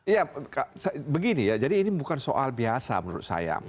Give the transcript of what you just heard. ya begini ya jadi ini bukan soal biasa menurut saya